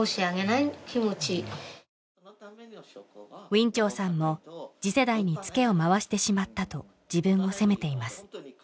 ウィンチョウさんも次世代にツケを回してしまったと自分を責めています